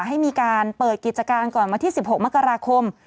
ให้มีการเปิดกิจการก่อนวันที่๑๖มกราคม